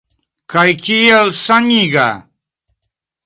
Kaj kiel saniga!